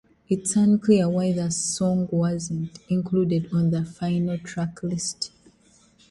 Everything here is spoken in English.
It is unclear why the song was not included on the final track list.